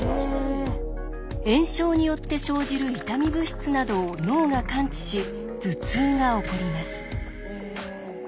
炎症によって生じる痛み物質などを脳が感知し頭痛が起こります。